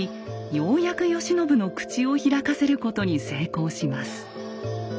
ようやく慶喜の口を開かせることに成功します。